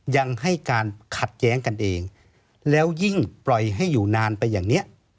ยังให้การขัดแย้งกันเองแล้วยิ่งปล่อยให้อยู่นานไปอย่างนี้